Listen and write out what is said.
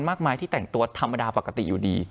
เพราะฉะนั้นทำไมถึงต้องทำภาพจำในโรงเรียนให้เหมือนกัน